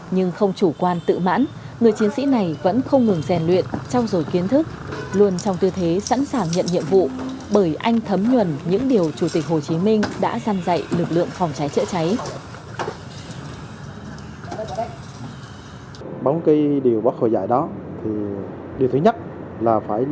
nhưng không chủ quan tự mãn người chiến sĩ này vẫn không ngừng rèn luyện trong rồi kiến thức luôn trong tư thế sẵn sàng nhận nhiệm vụ bởi anh thấm nhuần những điều chủ tịch hồ chí minh đã dăn dạy lực lượng phòng cháy chữa cháy